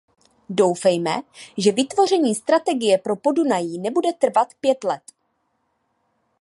Doufejme, že vytvoření strategie pro Podunají nebude trvat pět let.